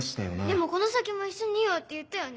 でも「この先も一緒にいよう」って言ったよね？